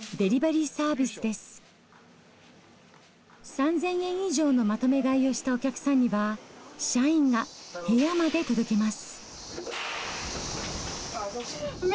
３，０００円以上のまとめ買いをしたお客さんには社員が部屋まで届けます。